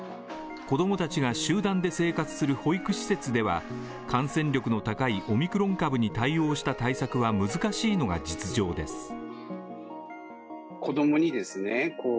子どもたちが集団で生活する保育施設では感染力の高いオミクロン株に対応した対策は難しいのが実情です。